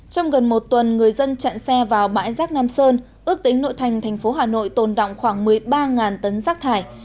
trong gần một tuần người dân chặn xe vào bãi rác nam sơn ước tính nội thành tp hà nội tồn đọng khoảng một mươi ba tấn rác thải